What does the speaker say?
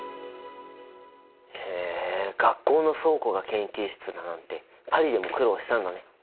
へえ学校の倉庫が研究室だなんてパリでも苦労したんだね。